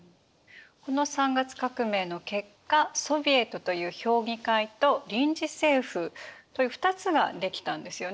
この三月革命の結果ソヴィエトという評議会と臨時政府という二つが出来たんですよね。